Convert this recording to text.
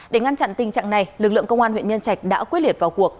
để ngăn chặn tình trạng này lực lượng công an huyện nhân trạch đã quyết liệt vào cuộc